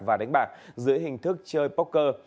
và đánh bạc dưới hình thức chơi post